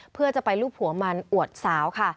เพื่อจะไปรูปหัวมันอวดสาวค่ะ